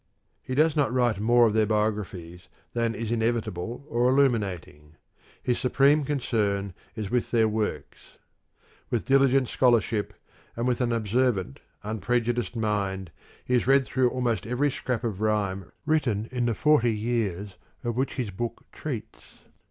He does not write more of their biographies than is inevitable or illuminating: his supreme concern is with their works. With diligent scholarship and an observant, unprejudiced mind he has read through almost every scrap of rhyme written in the forty years of which his book treats.